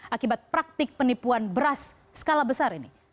akibat praktik penipuan beras skala besar ini